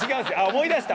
思い出した！